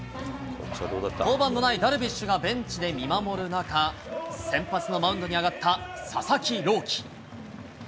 登板のないダルビッシュがベンチで見守る中、先発のマウンドに上がった佐々木朗希。